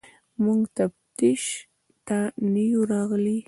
موږ تفتیش ته نه یو راغلي.